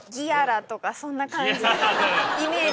そんな感じイメージ。